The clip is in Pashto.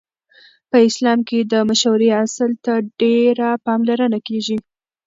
په اسلام کې د مشورې اصل ته ډېره پاملرنه کیږي.